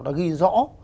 đã ghi rõ